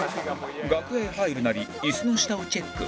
楽屋へ入るなり椅子の下をチェック